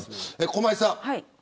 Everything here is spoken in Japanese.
駒井さん